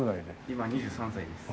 今２３歳です。